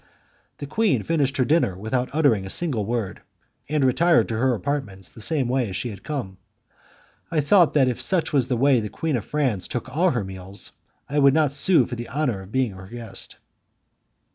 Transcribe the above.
The queen finished her dinner without uttering a single word, and retired to her apartments the same way as she had come. I thought that if such was the way the queen of France took all her meals, I would not sue for the honour of being her guest.